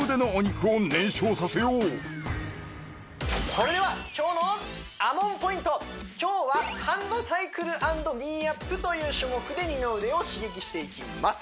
それでは今日はハンドサイクル＆ニーアップという種目で二の腕を刺激していきます